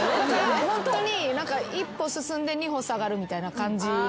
ホントに一歩進んで二歩下がるみたいな感じですよね。